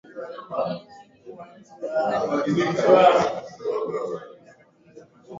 Uganda kubuni kifaa cha kudhibiti uchafuzi wa hewa.